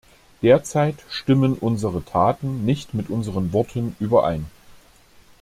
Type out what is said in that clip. Derzeit stimmen unsere Taten nicht mit unseren Worten überein.